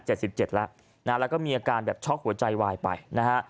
เจ็ดแล้วนะฮะแล้วก็มีอาการแบบช็อกหัวใจวายไปนะฮะ